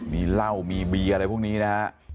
มีเหล้ามีเบียร์อะไรพวกนี้นะฮะ